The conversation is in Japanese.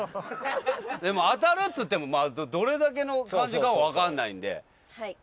でも当たるっつってもどれだけの感じかはわからないんで。